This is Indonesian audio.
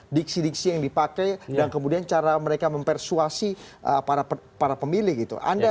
diksi diksi yang dipakai dan kemudian cara mereka mempersuasi para pemilih gitu